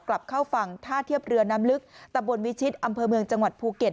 กลับเข้าฝั่งท่าเทียบเรือน้ำลึกตะบนวิชิตอำเภอเมืองจังหวัดภูเก็ต